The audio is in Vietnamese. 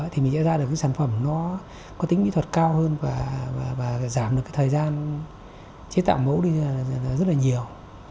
thì mình sẽ ra được cái sản phẩm nó có tính mỹ thuật cao hơn và giảm được cái thời gian chế tạo mẫu đi rất là nhiều